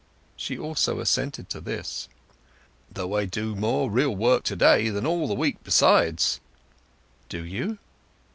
She also assented to this. "Though I do more real work to day than all the week besides." "Do you?"